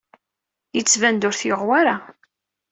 Yettban-d ur t-yuɣ wara.